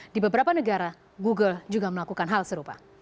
di beberapa negara google juga melakukan hal serupa